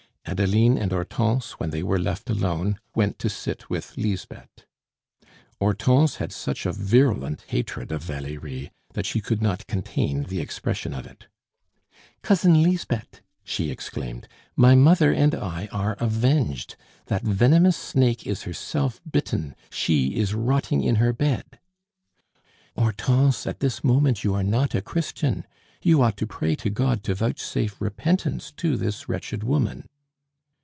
Adeline and Hortense, when they were left alone, went to sit with Lisbeth. Hortense had such a virulent hatred of Valerie that she could not contain the expression of it. "Cousin Lisbeth," she exclaimed, "my mother and I are avenged! that venomous snake is herself bitten she is rotting in her bed!" "Hortense, at this moment you are not a Christian. You ought to pray to God to vouchsafe repentance to this wretched woman."